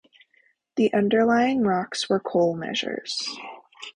The underlying rocks were coal measures.